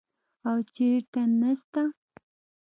او چېرته نسته.